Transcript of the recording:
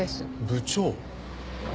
部長。